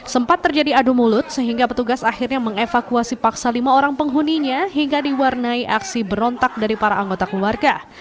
sempat terjadi adu mulut sehingga petugas akhirnya mengevakuasi paksa lima orang penghuninya hingga diwarnai aksi berontak dari para anggota keluarga